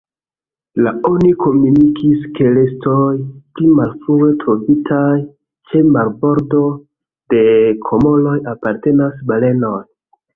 La oni komunikis ke restoj, pli malfrue trovitaj ĉe marbordo de Komoroj, apartenas balenoj.